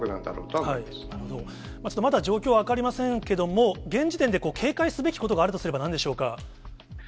ちょっとまだ状況は分かりませんけれども、現時点で警戒すべきことがあるとすればなんでしょ